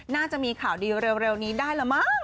น่าจะมีข่าวดีเร็วนี้ได้ละมั้ง